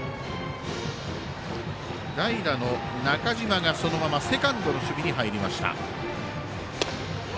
代打の中嶋が、そのままセカンドの守備に入りました。